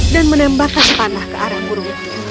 menembakkan panah ke arah burung